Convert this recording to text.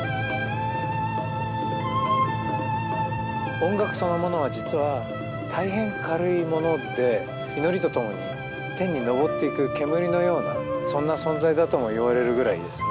音楽そのものは実は大変軽いもので祈りとともに天に昇っていく煙のようなそんな存在だとも言われるぐらいですね